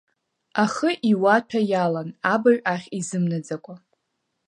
Ахы иуаҭәа иалан, абаҩ ахь изымнаӡакәа.